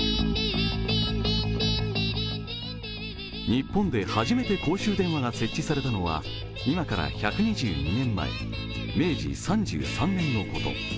日本で初めて公衆電話が設置されたのは今から１２２年前、明治３３年のこと。